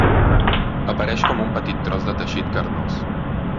Apareix com un petit tros de teixit carnós.